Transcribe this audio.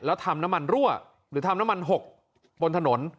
แล้วทำน้ำมันรั่วหรือทำน้ำมันหกบนถนน